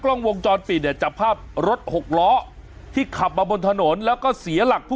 โอ้ตามภาพเลยอ่ะ